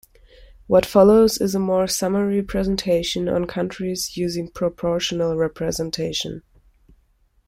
What follows is a more summary presentation on countries using proportional representation.